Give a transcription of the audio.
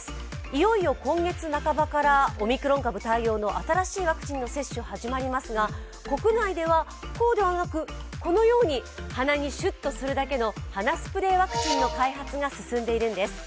いよいよ今月半ばからオミクロン株対応の新しいワクチンの接種が始まりますが国内ではこうではなくこのように鼻にシュッとするだけの鼻スプレーワクチンの開発が進んでいるんです。